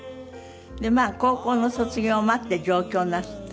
高校の卒業を待って上京なすった？